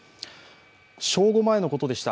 正午前のことでした。